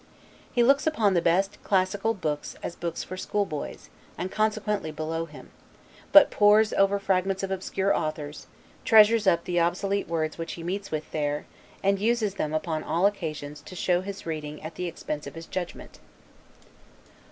He looks upon the best classical books, as books for school boys, and consequently below him; but pores over fragments of obscure authors, treasures up the obsolete words which he meets with there, and uses them upon all occasions to show his reading at the expense of his judgment.